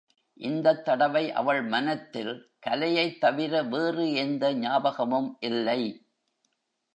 இந்தத் தடவை அவள் மனத்தில் கலையைத் தவிர வேறு எந்த ஞாபகமும் இல்லை.